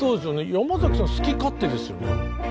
山崎さん好き勝手ですよね。